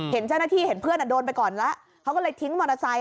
เห็นเจ้าหน้าที่เห็นเพื่อนโดนไปก่อนแล้วเขาก็เลยทิ้งมอเตอร์ไซค